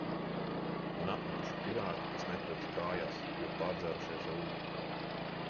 Man apnikuši pirāti, kas neturas kājās, jo pārdzērušies rumu!